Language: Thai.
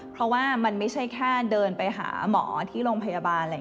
เพราะว่ามันไม่ใช่แค่เดินไปหาหมอที่โรงพยาบาล